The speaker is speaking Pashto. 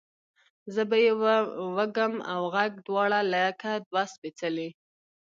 زه به یې وږم اوږغ دواړه لکه دوه سپیڅلي،